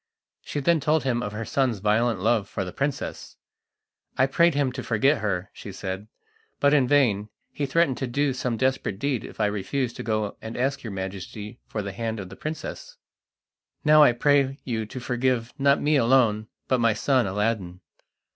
She then told him of her son's violent love for the princess. "I prayed him to forget her," she said, "but in vain; he threatened to do some desperate deed if I refused to go and ask your Majesty for the hand of the princess. Now I pray you to forgive not me alone, but my son Aladdin."